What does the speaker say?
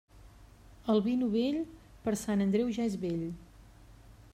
El vi novell, per Sant Andreu ja és vell.